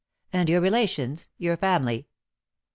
"And your relations? your family?"